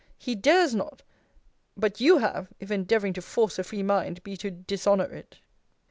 he dares not! But you have, if endeavouring to force a free mind be to dishonour it!